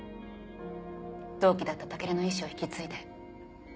同期だった武尊の遺志を引き継いで。